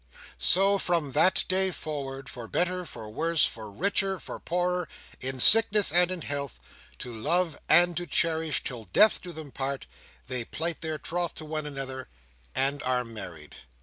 So, from that day forward, for better for worse, for richer for poorer, in sickness and in health, to love and to cherish, till death do them part, they plight their troth to one another, and are married.